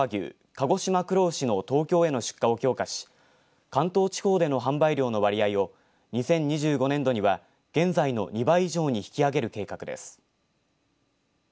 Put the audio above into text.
鹿児島黒牛の東京への出荷を強化し関東地方での販売量の割合を２０２５年度には現在の２倍以上に引き上げる計画です。